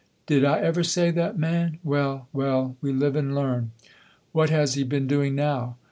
"Did I ever say that, man? Well, well, we live and learn." "What has he been doing now?"